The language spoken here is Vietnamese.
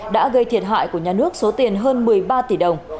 đã gây thiệt hại của nhà nước số tiền hơn một mươi ba tỷ đồng